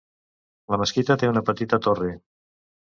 La mesquita té una petita torre.